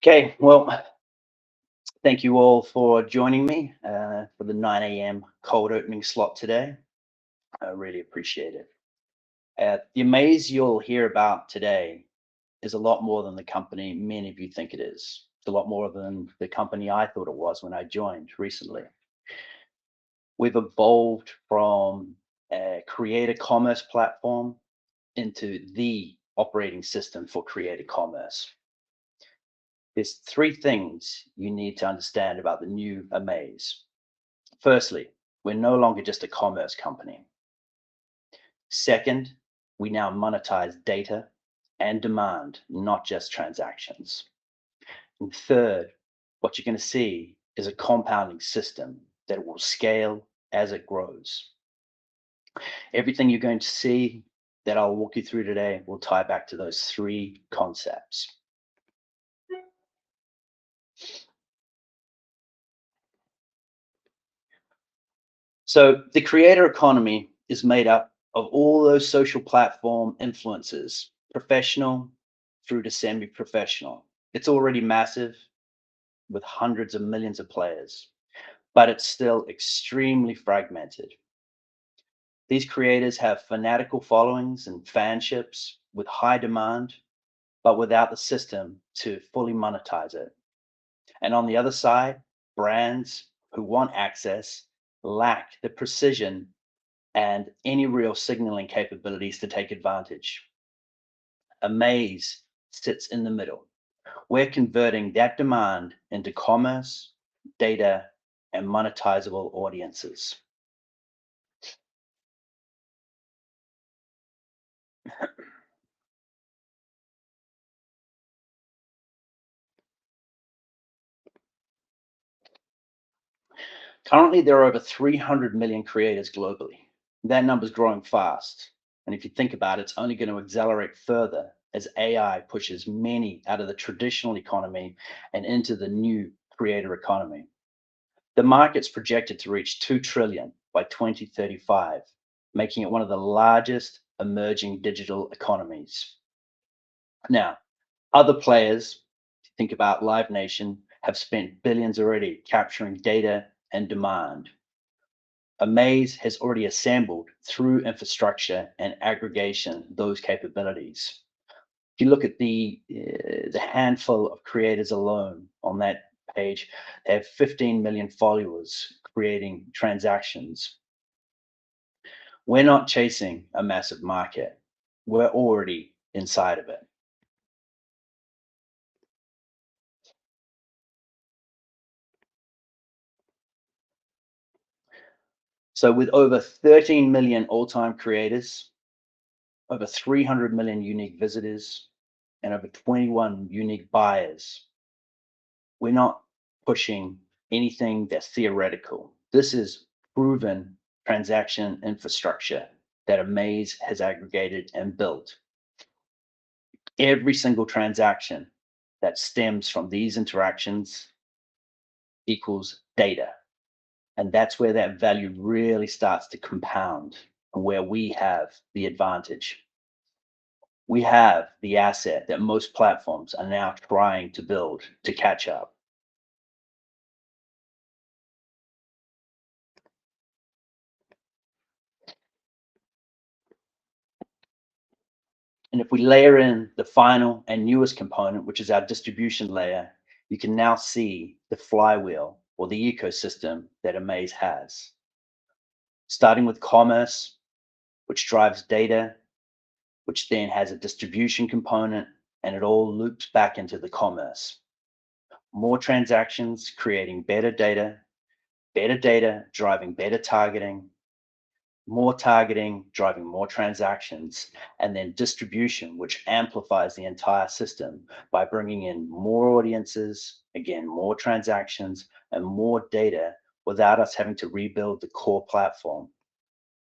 Okay. Well, thank you all for joining me for the 9:00 A.M. cold opening slot today. I really appreciate it. The Amaze you'll hear about today is a lot more than the company many of you think it is. It's a lot more than the company I thought it was when I joined recently. We've evolved from a creator commerce platform into the operating system for creator commerce. There's three things you need to understand about the new Amaze. Firstly, we're no longer just a commerce company. Second, we now monetize data and demand, not just transactions. And third, what you're gonna see is a compounding system that will scale as it grows. Everything you're going to see that I'll walk you through today will tie back to those three concepts. The creator economy is made up of all those social platform influencers, professional through to semi-professional. It's already massive, with hundreds of millions of players, but it's still extremely fragmented. These creators have fanatical followings and fan ships with high demand, but without the system to fully monetize it. On the other side, brands who want access lack the precision and any real signaling capabilities to take advantage. Amaze sits in the middle. We're converting that demand into commerce, data, and monetizable audiences. Currently, there are over 300 million creators globally. That number's growing fast, and if you think about it's only going to accelerate further as AI pushes many out of the traditional economy and into the new creator economy. The market's projected to reach $2 trillion by 2035, making it one of the largest emerging digital economies. Now, other players, if you think about Live Nation, have spent billions already capturing data and demand. Amaze has already assembled, through infrastructure and aggregation, those capabilities. If you look at the handful of creators alone on that page, they have 15 million followers creating transactions. We're not chasing a massive market, we're already inside of it. With over 13 million all-time creators, over 300 million unique visitors, and over 21 unique buyers, we're not pushing anything that's theoretical. This is proven transaction infrastructure that Amaze has aggregated and built. Every single transaction that stems from these interactions equals data, and that's where that value really starts to compound and where we have the advantage. We have the asset that most platforms are now trying to build to catch up. If we layer in the final and newest component, which is our distribution layer, you can now see the flywheel or the ecosystem that Amaze has. Starting with commerce, which drives data, which then has a distribution component, and it all loops back into the commerce. More transactions creating better data, better data driving better targeting, more targeting driving more transactions, and then distribution, which amplifies the entire system by bringing in more audiences, again, more transactions and more data without us having to rebuild the core platform.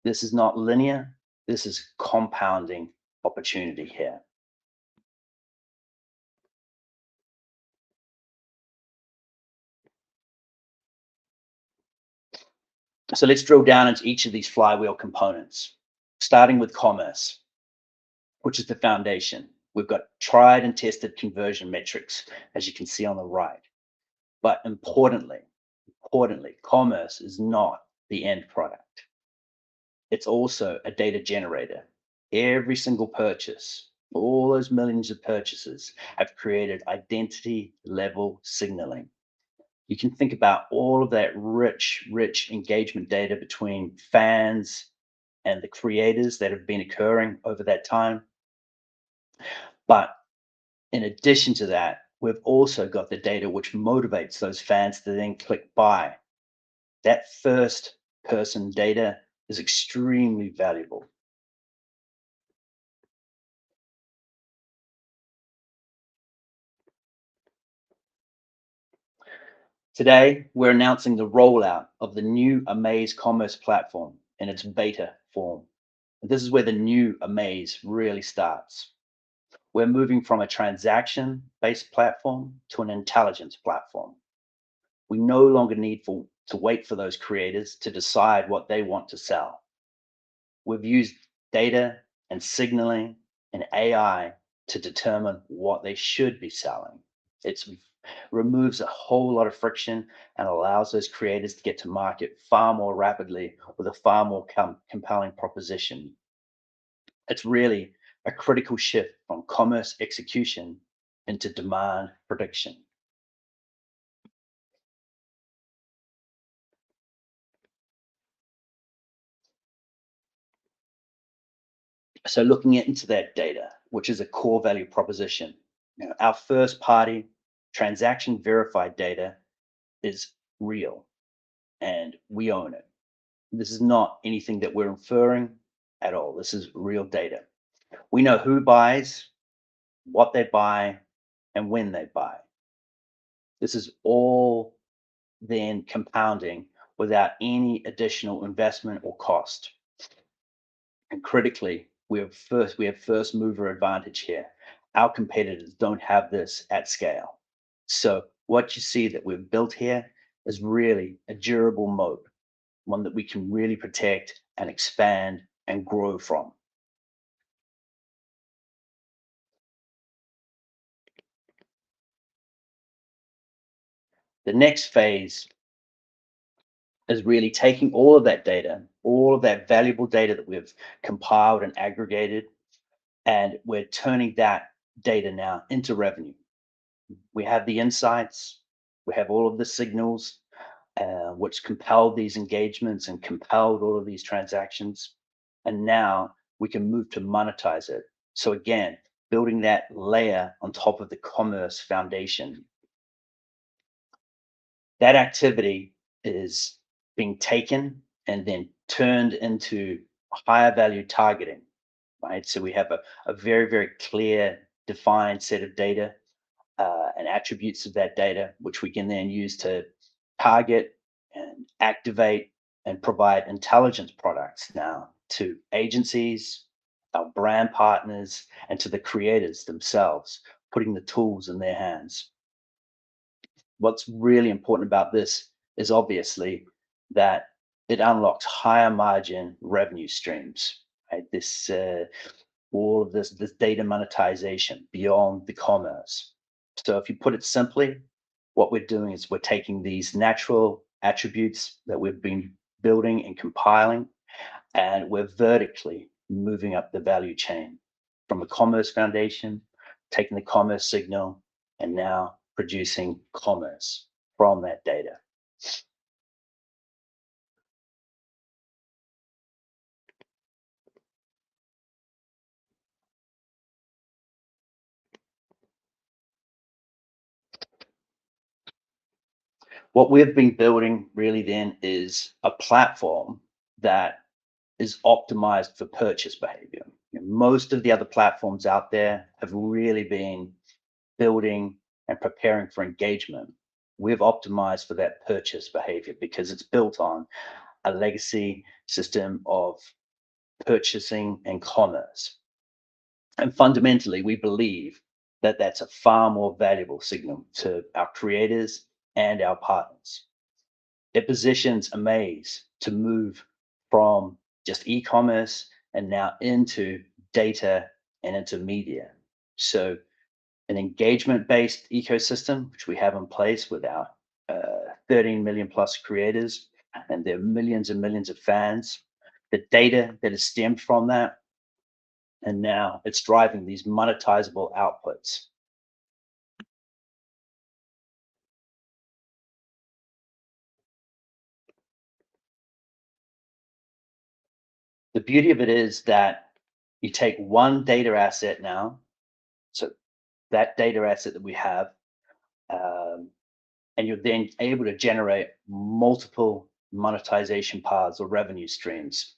This is not linear. This is compounding opportunity here. Let's drill down into each of these flywheel components, starting with commerce, which is the foundation. We've got tried and tested conversion metrics, as you can see on the right. Importantly, commerce is not the end product. It's also a data generator. Every single purchase, all those millions of purchases, have created identity-level signaling. You can think about all of that rich engagement data between fans and the creators that have been occurring over that time. In addition to that, we've also got the data which motivates those fans to then click buy. That first-party data is extremely valuable. Today, we're announcing the rollout of the new Amaze commerce platform in its beta form. This is where the new Amaze really starts. We're moving from a transaction-based platform to an intelligence platform. We no longer need to wait for those creators to decide what they want to sell. We've used data and signaling and AI to determine what they should be selling. It removes a whole lot of friction and allows those creators to get to market far more rapidly with a far more compelling proposition. It's really a critical shift from commerce execution into demand prediction. Looking into that data, which is a core value proposition, our first-party transaction verified data is real and we own it. This is not anything that we're inferring at all. This is real data. We know who buys, what they buy, and when they buy. This is all then compounding without any additional investment or cost. Critically, we have first mover advantage here. Our competitors don't have this at scale. What you see that we've built here is really a durable moat, one that we can really protect and expand and grow from. The next phase is really taking all of that data, all of that valuable data that we've compiled and aggregated, and we're turning that data now into revenue. We have the insights, we have all of the signals, which compelled these engagements and compelled all of these transactions, and now we can move to monetize it. Again, building that layer on top of the commerce foundation. That activity is being taken and then turned into higher value targeting, right? We have a very, very clear, defined set of data and attributes of that data, which we can then use to target and activate and provide intelligence products now to agencies, our brand partners, and to the creators themselves, putting the tools in their hands. What's really important about this is obviously that it unlocks higher margin revenue streams, right? This all of this data monetization beyond the commerce. If you put it simply, what we're doing is we're taking these natural attributes that we've been building and compiling, and we're vertically moving up the value chain from a commerce foundation, taking the commerce signal, and now producing commerce from that data. What we've been building really then is a platform that is optimized for purchase behavior. Most of the other platforms out there have really been building and preparing for engagement. We've optimized for that purchase behavior because it's built on a legacy system of purchasing and commerce. Fundamentally, we believe that that's a far more valuable signal to our creators and our partners. It positions Amaze to move from just e-commerce and now into data and into media. An engagement-based ecosystem, which we have in place with our 13 million+ creators and their millions and millions of fans, the data that has stemmed from that, and now it's driving these monetizable outputs. The beauty of it is that you take one data asset now, so that data asset that we have, and you're then able to generate multiple monetization paths or revenue streams.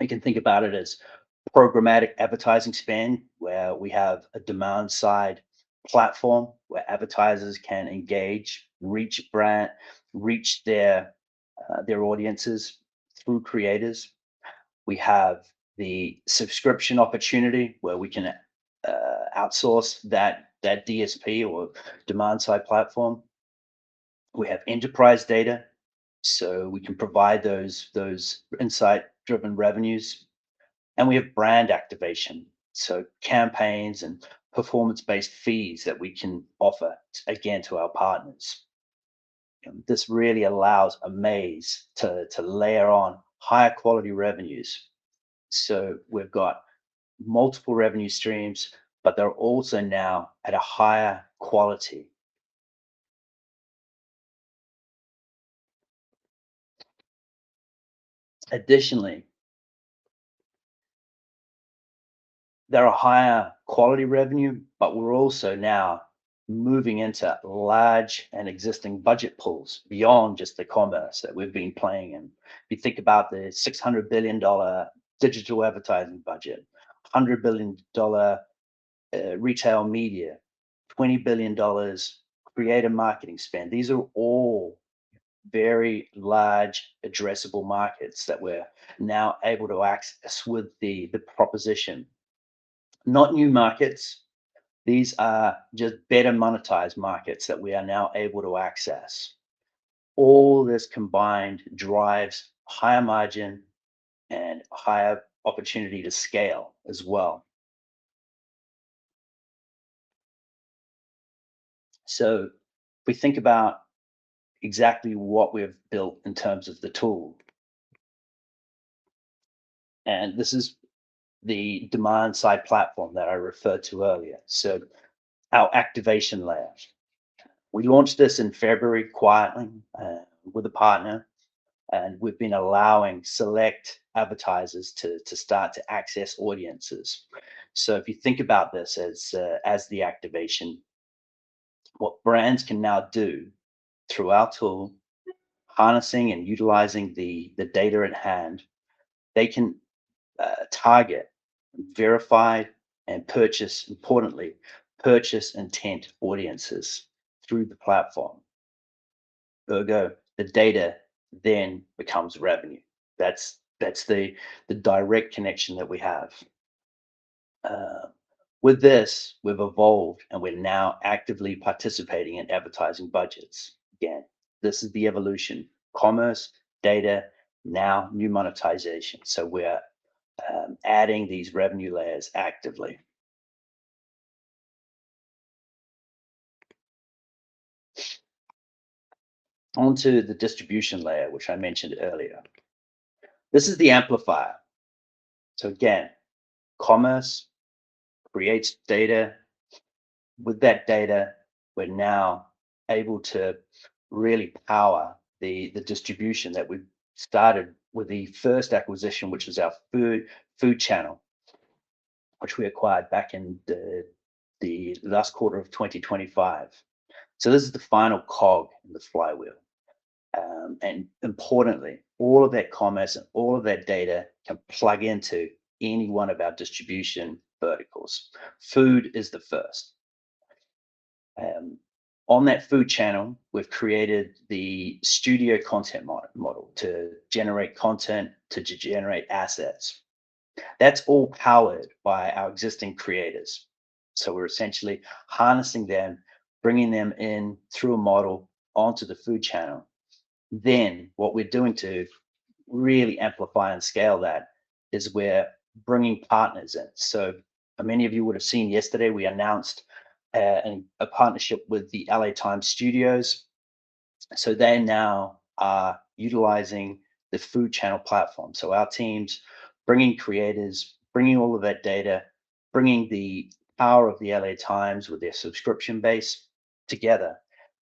You can think about it as programmatic advertising spend, where we have a demand-side platform where advertisers can engage, reach their audiences through creators. We have the subscription opportunity where we can outsource that DSP or demand-side platform. We have enterprise data, so we can provide those insight-driven revenues. We have brand activation, so campaigns and performance-based fees that we can offer, again, to our partners. This really allows Amaze to layer on higher quality revenues. We've got multiple revenue streams, but they're also now at a higher quality. They're a higher quality revenue, but we're also now moving into large and existing budget pools beyond just the commerce that we've been playing in. If you think about the $600 billion digital advertising budget, $100 billion retail media, $20 billion creator marketing spend, these are all very large addressable markets that we're now able to access with the proposition. Not new markets, these are just better monetized markets that we are now able to access. All this combined drives higher margin and higher opportunity to scale as well. We think about exactly what we've built in terms of the tool. This is the demand-side platform that I referred to earlier, so our activation layer. We launched this in February quietly with a partner, and we've been allowing select advertisers to start to access audiences. So if you think about this as the activation, what brands can now do through our tool, harnessing and utilizing the data at hand, they can target, verify, and purchase, importantly, purchase intent audiences through the platform. Ergo, the data then becomes revenue. That's the direct connection that we have. With this, we've evolved, and we're now actively participating in advertising budgets. Again, this is the evolution, commerce, data, now new monetization. So we're adding these revenue layers actively on to the distribution layer, which I mentioned earlier. This is the amplifier. So again, commerce creates data. With that data, we're now able to really power the distribution that we started with the first acquisition, which was our Food Channel, which we acquired back in the last quarter of 2025. This is the final cog in the flywheel. Importantly, all of that commerce and all of that data can plug into any one of our distribution verticals. Food is the first. On that Food Channel, we've created the studio content model to generate content, to generate assets. That's all powered by our existing creators. We're essentially harnessing them, bringing them in through a model onto the Food Channel. What we're doing to really amplify and scale that is we're bringing partners in. Many of you would have seen yesterday, we announced a partnership with the L.A. Times Studios. They now are utilizing the Food Channel platform. Our teams, bringing creators, bringing all of that data, bringing the power of the L.A. Times with their subscription base together.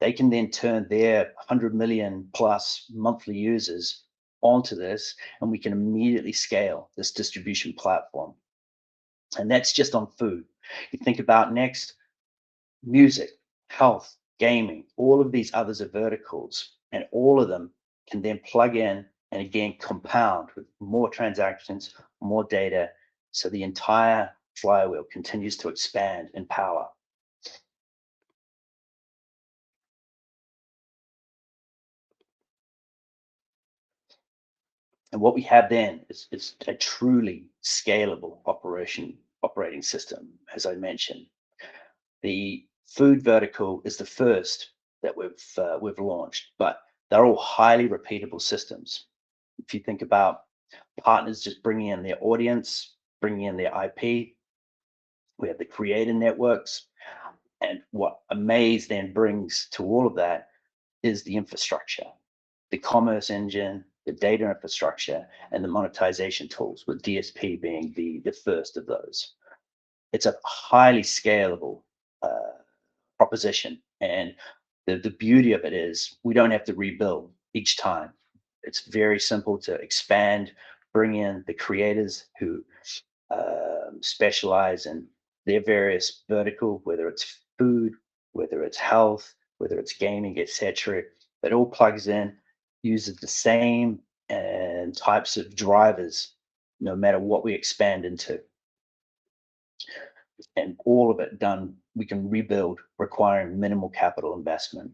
They can then turn their 100 million-plus monthly users onto this, and we can immediately scale this distribution platform. That's just on food. You think about next, music, health, gaming, all of these others are verticals. All of them can then plug in and, again, compound with more transactions, more data, so the entire flywheel continues to expand and power. What we have then is a truly scalable operation, operating system, as I mentioned. The Food vertical is the first that we've launched, but they're all highly repeatable systems. If you think about partners just bringing in their audience, bringing in their IP, we have the creator networks, and what Amaze then brings to all of that is the infrastructure, the commerce engine, the data infrastructure, and the monetization tools, with DSP being the first of those. It's a highly scalable proposition, and the beauty of it is we don't have to rebuild each time. It's very simple to expand, bring in the creators who specialize in their various verticals, whether it's food, whether it's health, whether it's gaming, et cetera. It all plugs in, uses the same types of drivers no matter what we expand into. All of it done without rebuilding, requiring minimal capital investment.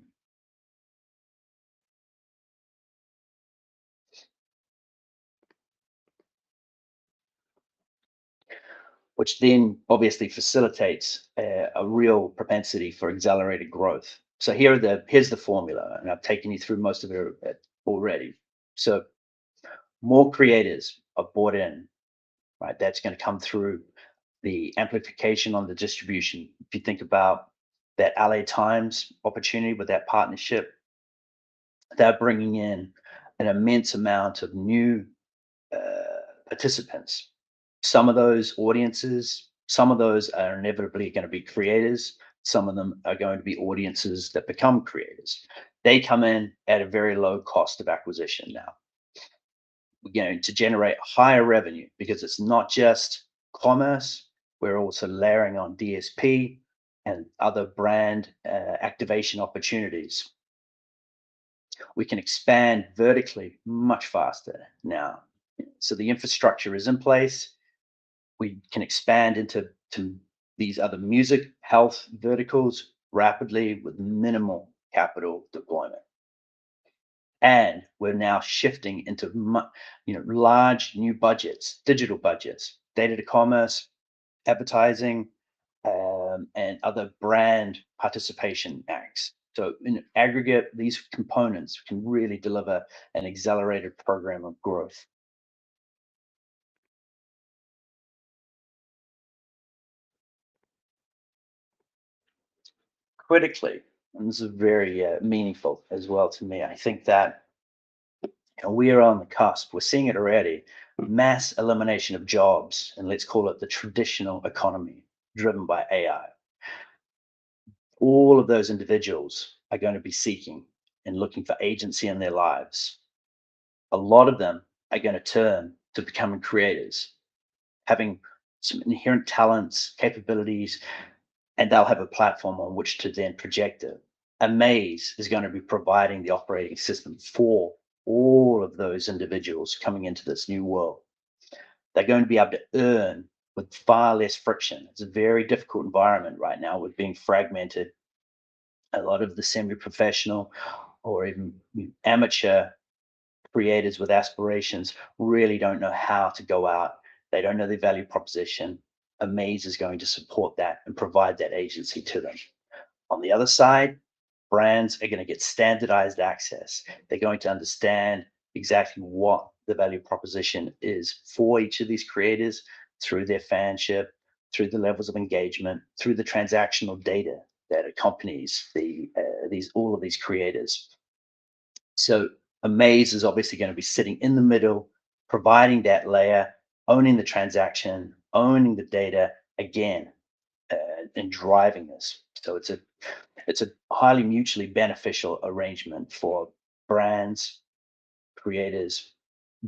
Which then obviously facilitates a real propensity for accelerated growth. Here's the formula, and I've taken you through most of it already. More creators are brought in, right? That's gonna come through the amplification on the distribution. If you think about that LA Times opportunity with that partnership, they're bringing in an immense amount of new participants. Some of those audiences, some of those are inevitably gonna be creators. Some of them are going to be audiences that become creators. They come in at a very low cost of acquisition now. We're going to generate higher revenue because it's not just commerce, we're also layering on DSP and other brand activation opportunities. We can expand vertically much faster now. The infrastructure is in place. We can expand into these other music, health verticals rapidly with minimal capital deployment. We're now shifting into you know, large new budgets, digital budgets, data to commerce, advertising, and other brand participation acts. In aggregate, these components can really deliver an accelerated program of growth. Critically, and this is very, meaningful as well to me, I think that we are on the cusp, we're seeing it already, mass elimination of jobs, and let's call it the traditional economy driven by AI. All of those individuals are gonna be seeking and looking for agency in their lives. A lot of them are gonna turn to becoming creators, having some inherent talents, capabilities, and they'll have a platform on which to then project it. Amaze is gonna be providing the operating system for all of those individuals coming into this new world. They're going to be able to earn with far less friction. It's a very difficult environment right now with being fragmented. A lot of the semi-professional or even amateur creators with aspirations really don't know how to go out. They don't know their value proposition. Amaze is going to support that and provide that agency to them. On the other side, brands are gonna get standardized access. They're going to understand exactly what the value proposition is for each of these creators through their fanship, through the levels of engagement, through the transactional data that accompanies these all of these creators. Amaze is obviously gonna be sitting in the middle, providing that layer, owning the transaction, owning the data, again and driving this. It's a highly mutually beneficial arrangement for brands, creators,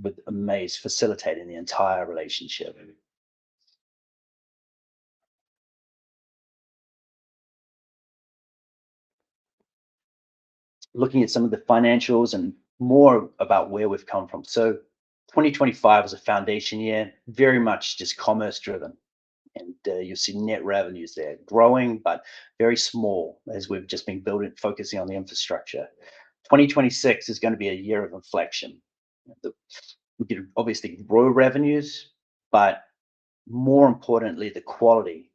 with Amaze facilitating the entire relationship. Looking at some of the financials and more about where we've come from. 2025 is a foundation year, very much just commerce-driven, and you'll see net revenues there growing but very small as we've just been building, focusing on the infrastructure. 2026 is gonna be a year of inflection. We can obviously grow revenues, but more importantly, the quality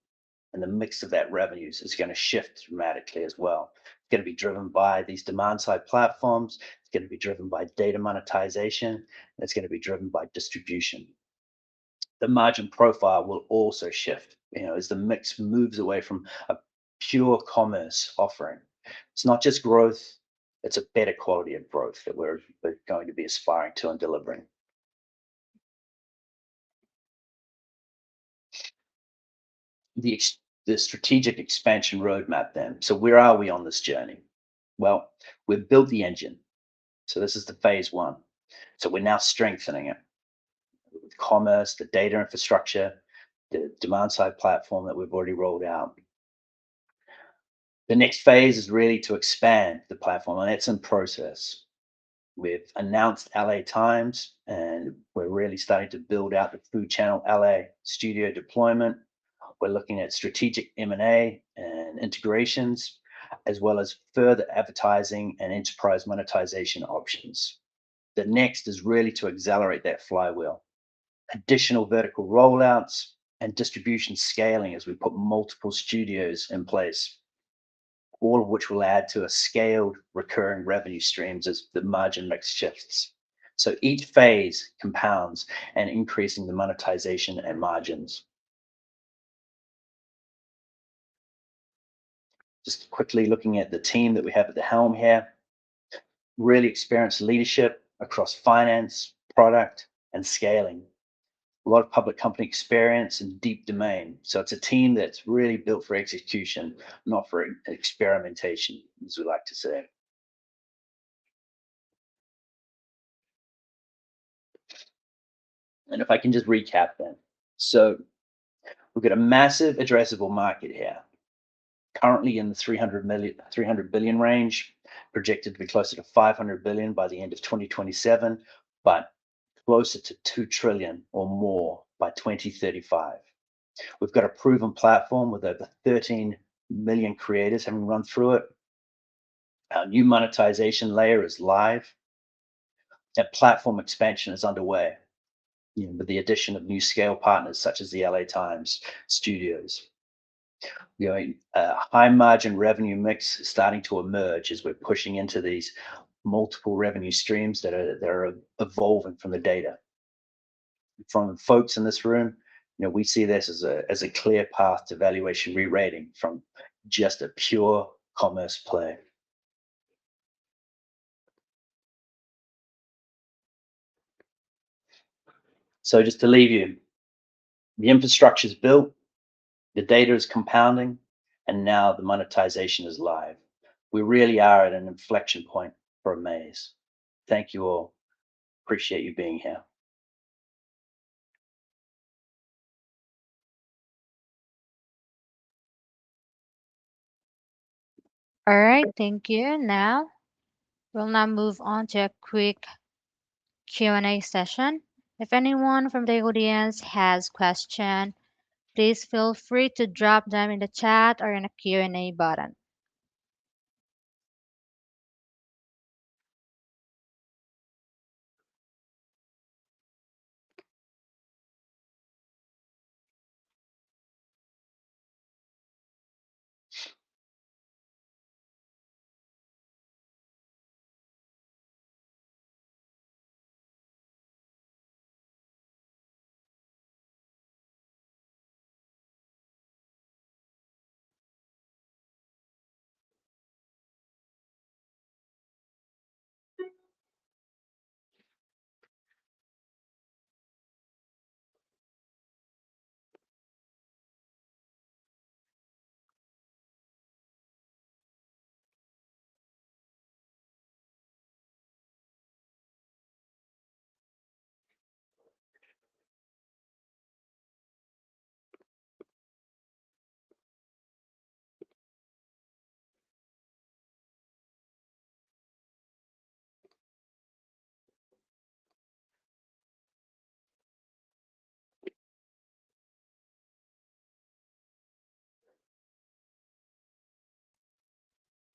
and the mix of that revenues is gonna shift dramatically as well. It's gonna be driven by these demand-side platforms, it's gonna be driven by data monetization, and it's gonna be driven by distribution. The margin profile will also shift, you know, as the mix moves away from a pure commerce offering. It's not just growth, it's a better quality of growth that we're going to be aspiring to and delivering. The strategic expansion roadmap then. Where are we on this journey? Well, we've built the engine. This is phase I. We're now strengthening it. Commerce, the data infrastructure, the demand-side platform that we've already rolled out. The next phase is really to expand the platform, and that's in process. We've announced L.A. Times, and we're really starting to build out the Food Channel L.A. Studio deployment. We're looking at strategic M&A and integrations, as well as further advertising and enterprise monetization options. The next is really to accelerate that flywheel. Additional vertical rollouts and distribution scaling as we put multiple studios in place, all of which will add to a scaled recurring revenue streams as the margin mix shifts. Each phase compounds, increasing the monetization and margins. Just quickly looking at the team that we have at the helm here. Really experienced leadership across finance, product, and scaling. A lot of public company experience and deep domain. It's a team that's really built for execution, not for experimentation, as we like to say. If I can just recap then. We've got a massive addressable market here. Currently in the $300 billion range, projected to be closer to $500 billion by the end of 2027, but closer to $2 trillion or more by 2035. We've got a proven platform with over 13 million creators having run through it. Our new monetization layer is live. A platform expansion is underway, you know, with the addition of new scale partners such as the L.A. Times Studios. We have a high margin revenue mix starting to emerge as we're pushing into these multiple revenue streams that are evolving from the data. From folks in this room, you know, we see this as a clear path to valuation rerating from just a pure commerce play. Just to leave you, the infrastructure's built, the data is compounding, and now the monetization is live. We really are at an inflection point for Amaze. Thank you all. Appreciate you being here. All right. Thank you. Now, we'll move on to a quick Q&A session. If anyone from the audience has question, please feel free to drop them in the chat or in the Q&A button.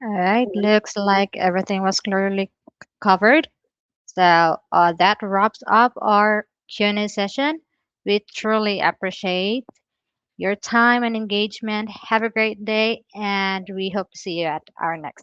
All right. Looks like everything was clearly covered. That wraps up our Q&A session. We truly appreciate your time and engagement. Have a great day, and we hope to see you at our next-